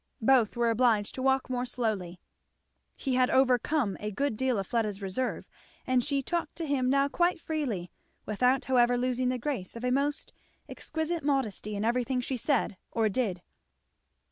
Both were obliged to walk more slowly. He had overcome a good deal of Fleda's reserve and she talked to him now quite freely, without however losing the grace of a most exquisite modesty in everything she said or did.